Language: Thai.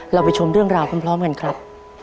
ไปชมเรื่องราวพร้อมกันครับ